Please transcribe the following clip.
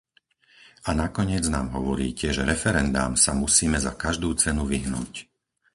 A nakoniec nám hovoríte, že referendám sa musíme za každú cenu vyhnúť.